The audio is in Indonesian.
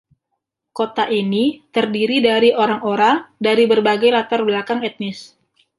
Kota ini terdiri dari orang-orang dari berbagai latar belakang etnis.